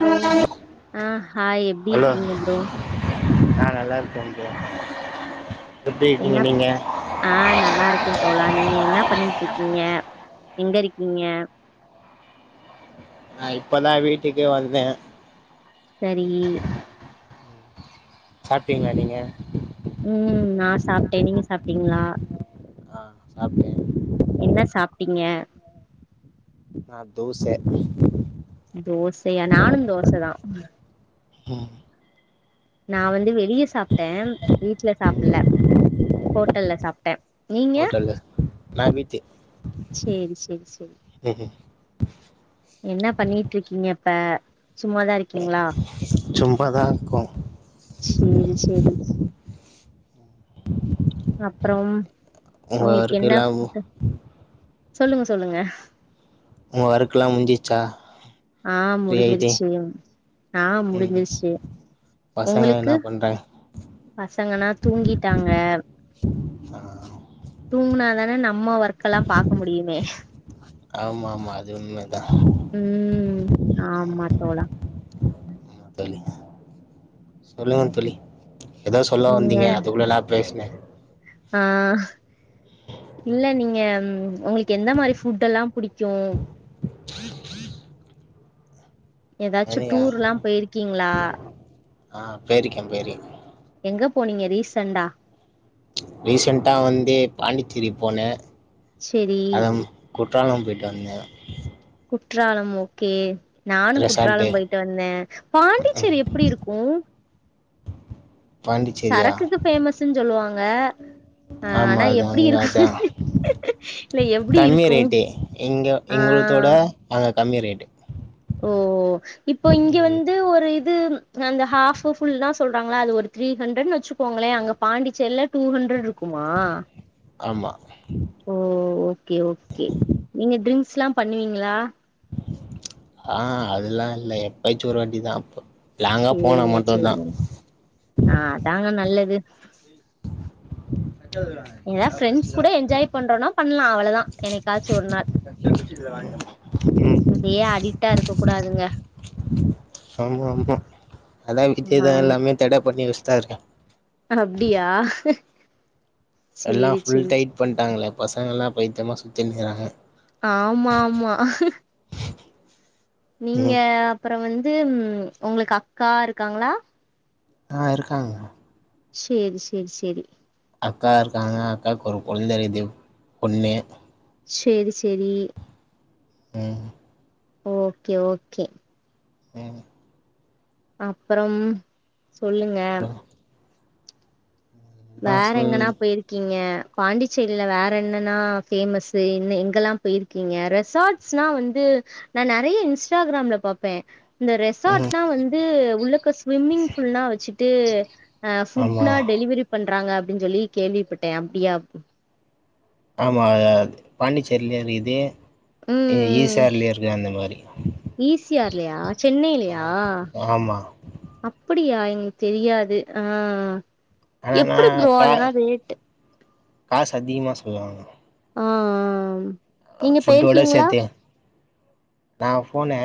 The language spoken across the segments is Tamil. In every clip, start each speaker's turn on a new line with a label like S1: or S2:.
S1: அலோ ஆ ஹாய் எப்டி இருக்கீங்க ப்ரோ
S2: நா நல்லா இருக்க ப்ரோ எப்டி இருக்கீங்க
S1: என்ன
S2: நீங்க
S1: ஆ நல்லா இருக்கே தோழா நீங்க என்னா பண்ணிட்டு இருக்கீங்க எங்க இருக்கீங்க
S2: நா இப்பதா வீட்டுக்கே வந்த
S1: சரி
S2: சாப்டீங்ளா நீங்க
S1: ம் நா சாப்ட்டே நீங்க சாப்ட்டீங்களா
S2: ஆ சாப்ட்டேன்
S1: என்ன சாப்டிங்க
S2: நா தோச
S1: தோசையா நானும் தோச தான் நான் வந்து வெளிய சாப்டேன் வீட்ல சாப்புல்ல ஹோட்டல்ல சாப்
S2: ஹோட்டல்ல நா வீட்டு
S1: சேரி சேரி சேரி
S2: ம்‌ ம்
S1: என்ன பண்ணிட்ருக்கீங்க இப்ப சும்மாதா இருக்கீங்ளா
S2: சும்மாதா இருக்கோம்
S1: சேரி சேரி அப்பறம்
S2: உங்க
S1: உங்களுக்கு என்ன
S2: ஒர்க்கெல்லாம்
S1: ஃபுட்
S2: உங்க
S1: சொல்லுங்க சொல்லுங்க
S2: ஒ வொர்க்குல்லாம் முடிஞ்சிச்சா
S1: ஆ
S2: ஃப்ரீ ஆயிட்டு
S1: முடிஞ்சிருச்சு ஆ
S2: ம்
S1: முடிஞ்சிருச்சு
S2: பசங்க என்ன
S1: உங்களுக்கு
S2: பண்றாங்க
S1: பசங்கன்னா தூங்கிட்டாங்க
S2: ஆ
S1: தூங்குனாதான நம்ம ஒர்க் எல்லாம் பாக்க முடியுமே
S2: ஆமா ஆமா அது உண்மதா
S1: ம் ஆமா தோழா
S2: ஆமா தோழி சொல்லுங்க தோழி எதோ சொல்ல
S1: நீங்க
S2: வந்தீங்க அதுக்குள்ள நா பேசுனேன்
S1: ஆ இல்ல நீங்க உங்களுக்கு எந்த மாரி ஃபுட் எல்லாம் புடிக்கும் எதாச்சும்
S2: என்னையா
S1: டூர்ல்லாம் போய்ருக்கீங்களா
S2: ஆ போய்ருக்கேன் போய்ருக்கேன்
S1: எங்க போனீங்க ரீசென்டா
S2: ரீசென்ட்டா வந்து பாண்டிச்சேரி போனே
S1: செரி
S2: அதம் குற்றாலம் போய்ட்டு வந்தேன்
S1: குற்றாலம் ஓகே நானும்
S2: ரெசார்ட்டு
S1: குற்றாலம் போயிட்டு வந்தன்
S2: ம்,
S1: பாண்டிச்சேரி எப் டி இருக்கும்
S2: பாண்டிச்சேரியா
S1: சரக்குக்கு ஃபேமஸ்ஸு சொல்லுவாங்க ஆ
S2: ஆமா
S1: ஆனா
S2: அதான்
S1: எப்டி
S2: அங்க
S1: இருக்கு
S2: அதான்
S1: இல்ல எப்டி
S2: கம்மி
S1: இருக்கு
S2: ரேட்டு இங்க
S1: ஆ
S2: இங்களதோட அங்க கம்மி ரேட்டு
S1: ஓ இப்போ இங்க
S2: ம்
S1: வந்து ஒரு இது அந்த ஹாஃப் ஃபுல்லா சொல்றாங்களா அது ஒரு த்ரீ ஹண்ரட்னு வச்சுக்கோங்களே அங்க பாண்டிச்சேர்ல டூ ஹண்ட்ரட் இருக்குமா
S2: ஆமா
S1: ஓ ஓகே ஓகே நீங்க ட்ரிங்க்ஸ் லாம் பண்ணுவீங்களா
S2: ஆ அதுல்லாம் இல்ல எப்பயாச்சு ஒரு வாட்டிதான் அப்போ லாங்கா போனா
S1: சேரிங்க
S2: மட்டும்தான்
S1: சேரிங்க ஆ அதாங்க நல்லது
S2: வச்சா இழுடா
S1: ஏதாவது ஃப்ரெண்ட்ஸ் கூட என்ஜாய் பண்றோம்னா பண்ணலாம் அவ்ளோதான் என்னைக்காச்சும் ஒரு நாள்
S2: [unintelligible]
S1: இதே அடிக்டா இருக்க கூடாதுங்க
S2: ஆமா ஆமா அதான் விஜய் தா
S1: ஆம்
S2: எல்லாமே தடை பண்ணி வச்சுட்டாரு
S1: அப்டியா
S2: எல்லா
S1: சேரி
S2: ஃபுல்
S1: சேரி சே
S2: டைட் பண்ட்டாங்ளே பசங்கள்லா பயித்தியமா சுத்தினு இருக்ராங்க
S1: ஆமா ஆமா நீங்க
S2: ம்
S1: அப்றோ வந்து உங்களுக்கு அக்கா இருக்காங்ளா
S2: ஆ இருக்காங்க
S1: சேரி சேரி சேரி
S2: அக்கா இருக்காங்க அக்காக்கு ஒரு கொழந்த இருக்குது பொண்ணு
S1: சேரி சேரி
S2: ம்
S1: ஓகே ஓகே
S2: ம்
S1: அப்றம் சொல்லுங்க
S2: என்னா
S1: வேற
S2: சொல்
S1: எங்கனா போய்ரு க்கீங்க பாண்டிச்சேரில வேற என்னன்னா பேமஸ் இன்னு எங்கெல்லா போயிரு க்கிங்க ரெசார்ட்ஸ்னா வந்து நா நெறய இன்ஸ்டாகிராம்ல பாப்பே இந்த
S2: ம்
S1: ரெசாட்னா வந்து உள்ளுக்க ஸ்விம்மிங் ஃபூல்லா வச்சுட்டு ஆ
S2: ஆமா
S1: ஃபுட்னா டெலிவரி பண்றாங்க அப்டின்னு சொல்லி கேள்விப்பட்டே அப்டியா
S2: ஆமாது பாண்டிச்சேர்லியு இருக்குது ஈ
S1: ம்
S2: சி ஆர்லய இருக்குது அந்த மாரி
S1: ஈ சி ஆர் லயா சென்னைலயா
S2: ஆமா
S1: அப்டியா எங்களுக் தெரியாது ஆ
S2: ஆனானா
S1: எப்டி ஃப்ரோ
S2: கா
S1: அதெலா ரேட்டு
S2: காசு அதிகமாக சொல்லுவாங்க
S1: ஆ ஆ நீங்க
S2: ஃபுட்டோட
S1: போயிருக்கீங்ளா
S2: சேத்து நா போனே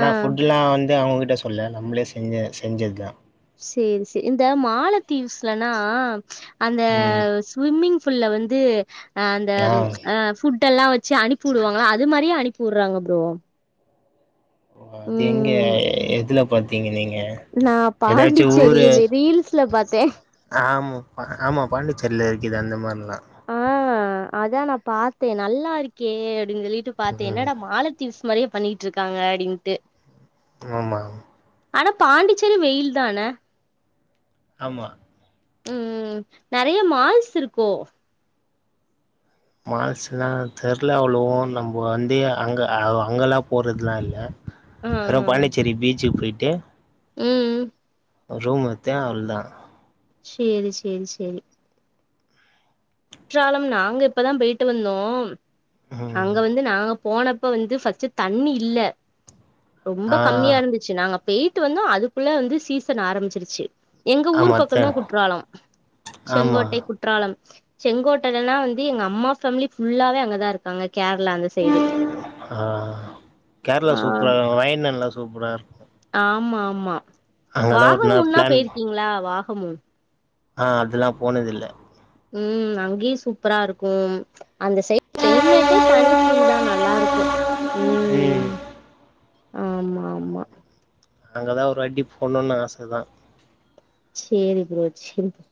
S1: ஆ
S2: ஃபுட்ல்லா வந்து அவுங்ககிட்ட சொல்ல நம்ளே செஞ்ச செஞ்சது தா
S1: சேர் சேரி இந்த மாலத்தீவுஸ்லலா அந்த
S2: ம்
S1: ஸ்விம்மிங் ஃபுல்ல வந்து அந்த
S2: ஆ
S1: ஃபுட் எல்லா வச்சு அனுப்பி உடுவாங்கல அது மாரியே அனுப்பி உடுறாங்க ஃப்ரோ
S2: எங்க எதுல பாத்தீங்க நீங்க
S1: நா
S2: ஏதாச்சு
S1: பாண்டிச்சேரி
S2: ஊரு
S1: இந்த ரீல்ஸ்ல பாத்தே
S2: ஆமா ஆமா பாண்டிச்சேரில இருக்குது அந்த மாரிலா
S1: ஆ அதா நா பாத்தே நல்லா இருக்கே அப்டின்னு சொல்லிட்டு பாத்தேன்
S2: ம்
S1: என்னடா மாலத் த்திவ்ஸ் மாறியே பண்ணிட்டு இருக்காங்க அப்டின்னுட்டு
S2: ஆமாங்க
S1: ஆனா பாண்டிச்சேரி வெயில் தான்ல
S2: ஆமா
S1: ம் ம் நெறய மால்ஸ் இருக்கோ
S2: மால்ஸ்லா தெர்ல அவ்ளோ நம்ப வந்து அங்க அங்கெலா போறதுலா இல்ல நெறா
S1: ம்
S2: பாண்டிச்சேரி பீச்சுக்கு போயி்ட்டு
S1: ம்
S2: ரூம் எத்து அவ்ல்தா
S1: சேரி சேரி சேரி குற்றாலம் நாங்க இப்ப தா போயிட்டு வந்தோம்
S2: ம்
S1: அங்க வந்து நாங்க போனப்ப வந்து ஃபஸ்ட் தண்ணி இல்ல ரொம்ப
S2: ஆ
S1: கம்மியா இருந்துச்சு நாங்க போயிட்டு வந்தோ அதுக்குள்ள வந்து சீசன் ஆரம்பிச்சிருச்சு எங்க ஊர்
S2: ஆமா
S1: பக்கம்
S2: தெ
S1: தா குற்றாலம்
S2: ஆமா
S1: செங்கோட்டை குற்றாலம் செங்கோட்டலன்னா வந்து எங்க அம்மா ஃபேமிலி ஃபுல்லாவே அங்கதா இருக்காங்க கேரளா அந்த சைடு
S2: ஆ கேரளா
S1: ஆ
S2: சூப்பரா இரு வயநாடுலா சூப்பரா இரு
S1: ஆமா ஆமா
S2: அங்கதா ஒரு நாள்
S1: வாகமூன்னா
S2: பிளான்
S1: போயிருக்கீங்களா வாகமூன்
S2: ஆ அது நா போனதில்ல
S1: உம் அங்கேயு சூப்பரா இருக்கு அந்த சைட் கிளைமேட்டே தனி பீல் தா நல்லா இருக்கு
S2: ம்
S1: உம் ஆமா ஆமா
S2: அங்கதா ஒரு வாட்டி போணும்னு ஆச தா
S1: சேரி ப்ரோ சேரி ப்ரோ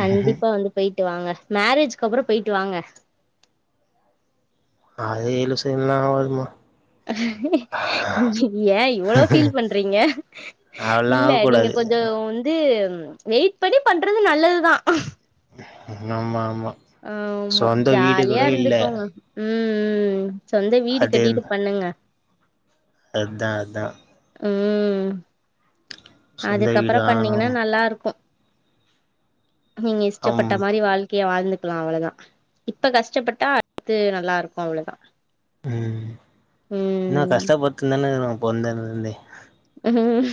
S1: கண்டிப்பா வந்து போயிட்டு வாங்க மேரேஜ்கப்புறோ போயிட்டு வாங்க
S2: அதே ஏழு செய்னா வருதுமா
S1: ஏ இவ்ளோ ஃபீல் பண்றீங்க
S2: அதெல்லா
S1: இல்ல நீங்க
S2: ஆகக்கூடாது
S1: கொஞ்சோ வந்து வெயிட் பண்ணி பண்றது நல்லதுதா
S2: ஆமா ஆமா
S1: ஆம்மா
S2: சொந்த வீடு
S1: ஜாலியா
S2: கூட இல்ல
S1: இருந்துக்கோங்க உம் உம் சொந்த வீடு
S2: அது
S1: கட்டிட்டு பண்ணுங்க
S2: அதா அதா
S1: உம்
S2: சொந்த வீடு
S1: அதுக்கப்றோ பண்ணீங்கன்னா
S2: ஆகணு
S1: நல்லாருக்கு நீங்க
S2: அம்
S1: இஷ்டப்பட்ட மாரி வாழ் க்கய வாழ்ந்துக்கலா அவ்ளோதா இப்ப கஷ்டப்பட்டா அடுத்து நல்லா இருக்கு அவ்ளோதா
S2: உம் இன்னும்
S1: ம்
S2: கஷ்டப்பட்டுந்தான இருக்கோ பொறந்ததுல இருந்தே
S1: உம்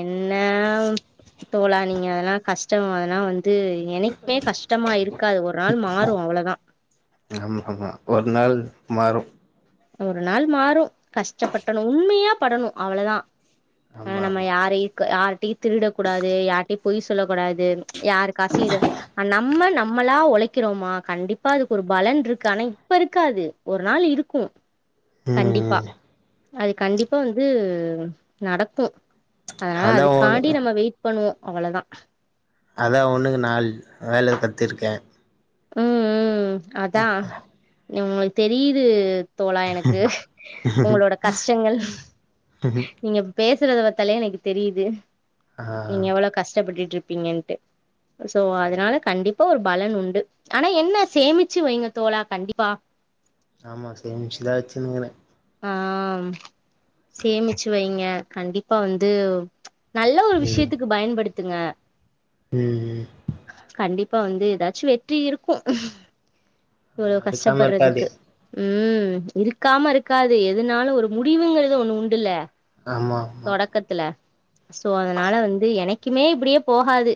S1: என்னா தோழா நீங்க அதெல்லா கஷ்டம் அதெல்லா வந்து என்னைக்குமே கஷ்டமா இருக்காது ஒரு நாள் மாறும் அவ்ளதா
S2: ஆமா ஆமா ஒரு நாள் மாறு
S1: ஒரு நாள் மாறு கஷ்டப்பட்டணு உண்மையா படணு அவ்ளதா ஆ
S2: ஆமா
S1: நம்ம
S2: ஆமா
S1: யாரையு யாரிட்டயு திருடக் கூடாது யாரிட்டயு பொய் சொல்ல கூடாது யாருக்காசி இது நம்ம நம்மளா ஒழைக் கிறோமா கண்டிப்பா அதுக்கு ஒரு பலன் இருக்கு ஆனா இப்ப இருக்காது ஒரு நாள் இருக்கு
S2: உம்
S1: டிப்பா அது கண்டிப்பா வந்து நடக்கு அதனால
S2: அதா ஒன்
S1: அதுக்காண்டி நம்ம வெயிட் பண்ணுவோ அவ்ளதா
S2: அதா ஒன்னுக்கு நாள் வேல கத்துருக்கே
S1: உம் உம் அதா அ தெரியுது தோழா எனக்கு உங்களோட கஷ்டங்கள் நீங்க பேசுறதத பாத்தாலே எனக்கு தெரியுது
S2: ஆ
S1: நீங்க எவ்வளோ கஷ்டப்பட்டுட்டு இருப்பீங்கன் சோ அதனால கண்டிப்பா ஒரு பலன் உண்டு ஆனா என்ன சேமிச்சு வைங்க தோழா கண்டிப்பா
S2: ஆமா சேமிச்சுதான் வச்சினுக்கிறே
S1: ஆ சேமிச்சு வைங்க கண்டிப்பா வந்து நல்ல ஒரு
S2: ம்
S1: விஷயத்துக்கு பயன்படுத்துங்க
S2: ம்
S1: கண்டிப் பா வந்து ஏதாச்சும் வெற்றி இருக்கும் இவ்வளோ
S2: ஆமா இருக்காம இருக்காது
S1: கஷ்டப்படுறதுக்கு உம் இருக்காம இருக்காது எதுனாலு ஒரு முடிவுங்கறத ஒண்ணு உண்டுல்ல
S2: ஆமா ஆமா
S1: தொடக்கத்துல சோ அதனால வந்து எனக் க்குமே இப்டியே போகாது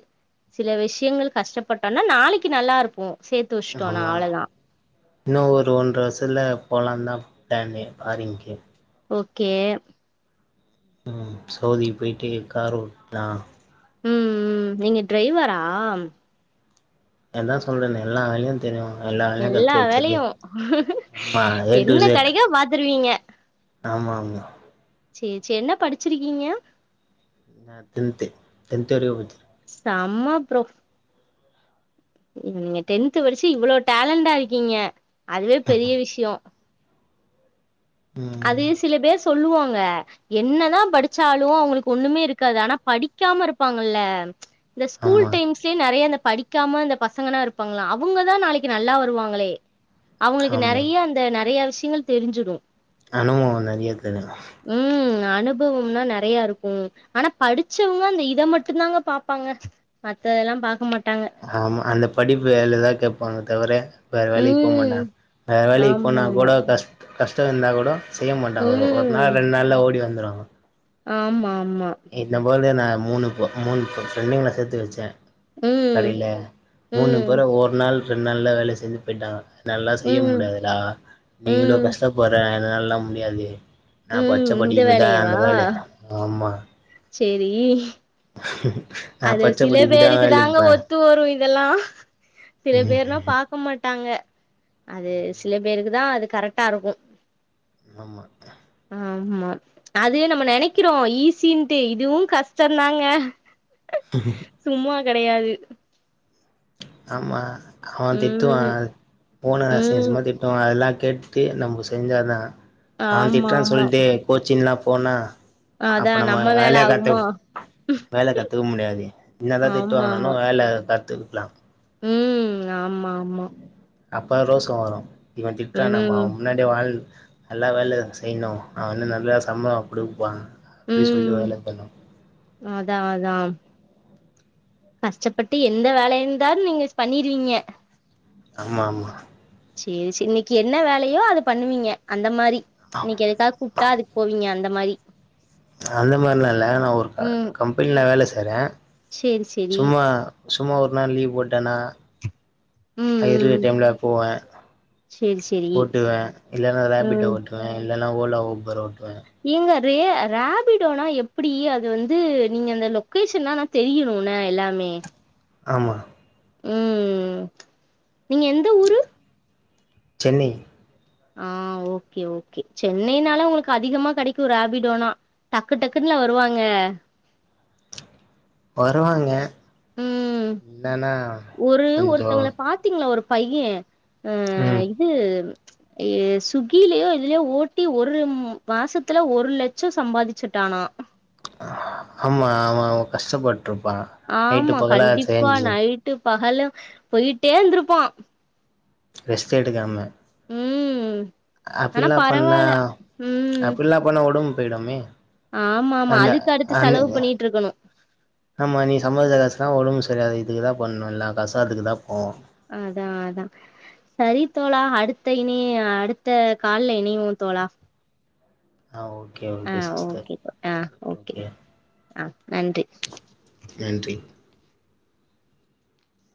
S1: சில விஷயங்கள் கஷ்டப்பட்டோனா நாளைக்கு நல்லா இருப்போ சேத்து வெச்சுட்டோனா
S2: ஆமா
S1: அவ்ளதா
S2: இன்னு ஒரு ஒன்ற வருஷத்துல போலாந்தான் பிளானிங் ஃபாரின்க்கு
S1: ஓகே
S2: ம் சவுதிக்கு போயிட்டு கார் ஓட்டலா
S1: ம் ம் நீங்க டிரைவரா
S2: அதா சொல்றேனே எல்லா வேலையு தெரியு எல்லா வேலையு கத்து வச்சிருக்கே ம்மா ஏ டு இஸட்
S1: ட்டா பாத்துருவீங்க
S2: ஆமா ஆமா
S1: சேரி சேரி என்ன படிச்சிருக்கீங்க
S2: நா டென்த்து டென்த் வரையு படிச்சிருக்
S1: செம்ம ப்ரோ நீங்க டென்த் படிச்சு இவ்வளோ டேலண்டா இருக்கீங்க அதுவே பெரிய விஷயோ அது
S2: ம்
S1: சில பேர் சொல்லுவாங்க என்னதான் படிச்சாலு அவுங்களுக்கு ஒண்ணுமே இருக்காது ஆனா படிக்காம இருப்பாங்கல்ல இந்த ஸ்கூல்
S2: ஆமா
S1: டைம்ஸ் ல நிறைய அந்த படிக்காம இந்த பசங்கனா இருப்பாங்கள அவங்கதா நாளைக்கு நல்லா வருவாங்களே அவுங்களுக்கு
S2: ஆமா
S1: நறைய அந்த நறைய விஷயங்கள் தெரிஞ்சிடு
S2: அனுபவம் நறைய தெரியு
S1: ம் அனுபவம்னா நறைய இருக்கும் ஆனா படிச்சவங்க அந்த இதை மட்டுந்தாங்க பாப்பாங்க மத்ததெல்லா பாக்க மாட்டாங்க
S2: ஆமா அந்த படிப்பு வேலைதா கேப்பாங்க தவிர வேற வேலைக்கு போ
S1: ம்
S2: மாட்டாங்க வேற வேலைக்கு போனா
S1: ஆமா ஆமா
S2: கூட கஷ் கஷ்ட இருந்தா கூட செய்ய மாட்டாங்க ஒரு
S1: ம்
S2: நாள் ரெண்டு நாள்ல ஓடி வந்துருவாங்க
S1: ஆமா ஆமா
S2: என்ன போல நான் மூணு மூணு ஃப்ரெண்டுங்கள சேத்து வச்சே
S1: ம்
S2: கடைல மூணு
S1: ம்
S2: பேரு ஒரு நாள் ரெண்டு நாள்ல வேலை செஞ்சு போயிட்டாங்க என்னாலா செய்ய
S1: ம்
S2: முடியாதுடா நீ இவ்ளோ
S1: ம்
S2: கஷ்டப்படுற என்னாலா முடியாது நா படிச்ச
S1: ம் இந்த
S2: படிப்புக்குதா அந்த
S1: வேலையவா
S2: வேலை ஆமா
S1: சேரி
S2: நா
S1: அது
S2: பச்ச
S1: சில
S2: படிப்புதா
S1: பேருக்கு தாங்க
S2: வேலப்பே
S1: ஒத்து வரு இதெல்லா சில பேர்லா பாக் க்க மாட்டாங்க அது சில பேருக்கு தா அது கரெக்டா இருக்கு
S2: ஆமா
S1: ஆமா அது நம்ம நினைக்கிறோ ஈஸிட்டு இதுவு கஷ்டந்தாங்க சும்மா கெடையாது
S2: ஆமா அவன்
S1: ம்
S2: திட்டுவான் போன அசிங்க
S1: ம்
S2: அசிங்கமா திட்டுவான் அதெல்லா கேட் ட்டு நம்ம செஞ்சாதா அவன்
S1: ஆமா
S2: திட்றான்
S1: ஆமா
S2: சொல்லிட்டு கோச்சின்ல்லா போனா
S1: அதா
S2: அப்ப நம்ம
S1: வேல
S2: வேலைய கத்து
S1: ஆகுமா
S2: வேலை கத்துக்க முடியாது என்னதா திட்டு
S1: ஆமா ஆமா
S2: வாாங்கனானும் வேலை கத்துக்கலாம்
S1: ம் ஆமா ஆமா
S2: அப்பறோ சொல்லனும் இவன் திட்ரா நம்ம
S1: ம்
S2: அவன் முன்னாடி டே வாழ் நல்லா வேல செய்ணும் ஆ இன்னும் நல்லா சம்பளம் குடுப்பாங்க அப்டி சொல்லி வேல பண்ணனு
S1: அதான் அதான் கஷ்டப்பட்டு எந்த வேலை இருந்தாலும் நீங்க பண்ணிருவீங்க
S2: ஆமா ஆமா
S1: சேரி சேரி இன்னைக்கு என்ன வேலையோ அத பண்ணுவீங்க அந்த மாரி இன்னைக்கு எதுக்கா கூப்ட்டா அதுக் போவிங்க அந்த மாரி
S2: அந்த மாரிலா இல்ல நா ஒரு க
S1: ம்
S2: கம்பெனில வேல செய்றே
S1: சேரி சேரி
S2: சும்மா சும்மா ஒரு நாள் லீவ் போட்டனா
S1: ம் ம்
S2: இருக்கற டைம்ல போவே
S1: சேரி சேரி
S2: ஓட்டுவன் இல்லனா ரேபிட்டோ
S1: ம்
S2: ஓட்டுவன் இல்லனா ஓலா ஊபர் ஓட்டுவன்
S1: ஏங்க ரே ரேபிடோனா எப்டி அது வந்து நீங்க அந்த லொக்கேஷன்லா தெரியிணு இல்ல எல்லாமே
S2: ஆமா
S1: ம் நீங்க எந்த ஊரு
S2: சென்னை
S1: ஆ ஓகே ஓகே சென்னைனால ஒங்களுக்கு அதிகமா கெடைக்கு ரேபிடோனா டக்கு டக்குன்னு இல்ல வருவாங்க
S2: வருவாங்க
S1: ம்
S2: என்னன்னா
S1: ஒரு
S2: கொஞ்சோ
S1: ஒருத்தங்கள பாத்தீங்களா ஒரு பையன் ம்
S2: ம்
S1: இது ஜயயோ சுகிலயோ எதுலயோ ஓட்டி ஒரு மாசத்துல ஒரு லட்சம் சம்பாதிச்சிட்டான
S2: ஆமா அவன் அவ்ளோ கஷ்டப்பட்ருப்பா நைட்டு
S1: ஆமா
S2: பகலா
S1: கண்டிப்பா
S2: சேஞ்சு
S1: நைட்டு பகலு போயிட்டே இருந்திருப்பான்
S2: ரெஸ்ட் எடுக்காம
S1: ம் ஆனா
S2: அப்பில்லா பண்ணா
S1: பரவால்ல ம்
S2: அப்பிலா பண்ணா ஒடம்பு போயிடுமே
S1: ஆமா ஆமா
S2: அந்த
S1: அதுக்கு அடுத்து செலவு
S2: அந்த
S1: பண்ணிட்டு இருக்கணு
S2: ஆமா நீ சம்பார்ச்ச காசுலா ஒடம்பு சரியாத இதுக்கு தா போட்ணு எல்லா காசூ அதுக்கு தா போவு
S1: அதா அதா சரி தோழா அடுத்த இனி அடுத்த கால்ல இனைவோ தோழா
S2: ஆ ஓகே
S1: ஆ
S2: ஓகே சிஸ்டர்
S1: ஓகே தோ ஆ
S2: ஓகே
S1: ஆ நன்றி
S2: நன்றி